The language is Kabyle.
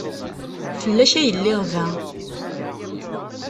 Fell-ak ay lliɣ da.